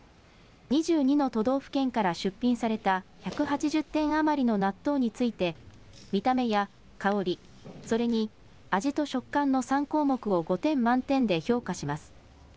２２の都道府県から出品された１８０点余りの納豆について、見た目や香り、それに味と食感の３項目を５点満点で評価します。